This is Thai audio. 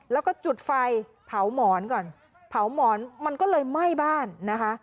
แล้วก็จุดไฟเผาหมอนก่อนเผาหมอนมันก็เลยไหม้บ้านนะคะ